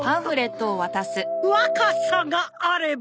若さがあれば！